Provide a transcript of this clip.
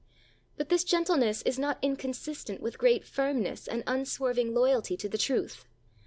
But this gentleness is not inconsist ent with great firmness and unswerving loyalty to the truth.